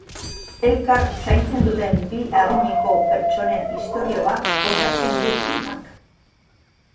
Elkar zaintzen duten bi adineko pertsonen istorioa kontatzen du filmak.